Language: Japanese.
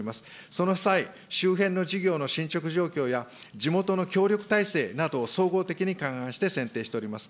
その際、周辺の事業の進捗状況や、地元の協力体制などを総合的に勘案して選定しております。